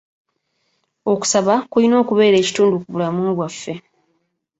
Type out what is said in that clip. Okusaba kulina okubeera ekitundu ku bulamu bwaffe.